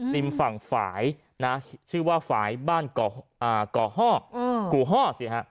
ริมฝั่งฝ่ายนะชื่อว่าฝ่ายบ้านก่อห้อกู่ฮ่อสิฮะ